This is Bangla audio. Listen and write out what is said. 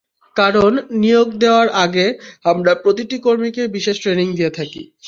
কারণ, নিয়োগ দেওয়ার আগে আমরা প্রতিটি কর্মীকেই বিশেষ ট্রেনিং দিয়ে থাকি।